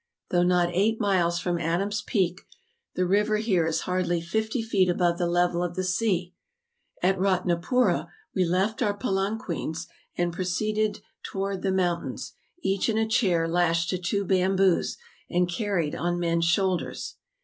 ... Though not eight miles from Adam's Peak, the river here is hardly fifty feet above the level of the sea. ... At Eatnapoora we left our palanqueens and proceeded towards the mountains, each in a chair lashed to two bamboos, and carried on men's shoul¬ ders.